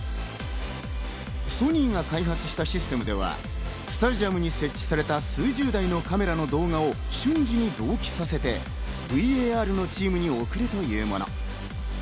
ソニーが開発したシステムでは、スタジアムに設置された数十台のカメラの動画を瞬時に同期させてＶＡＲのチームに送るというもの。